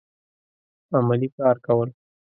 عملي کار کول